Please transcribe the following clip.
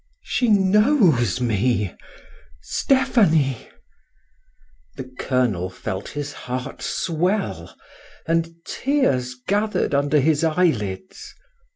"She knows me!... Stephanie!..." The colonel felt his heart swell, and tears gathered under his eyelids.